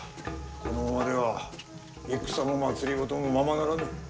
このままでは戦も政もままならぬ。